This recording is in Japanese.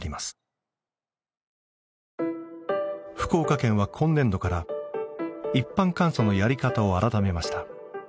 福岡県は今年度から一般監査のやり方を改めました。